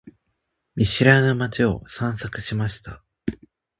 見知らぬ街を散策しました。